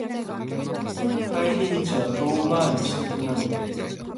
帰り道は遠回りしたくなる